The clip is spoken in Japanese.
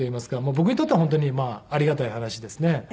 僕にとっては本当にありがたい話ですね。